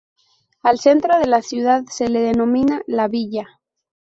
Al centro de la ciudad se le denomina la Villa.